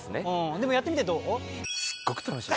でもやってみてどう？